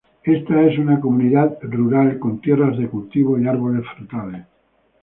Esta es una comunidad rural con tierras de cultivo y árboles frutales.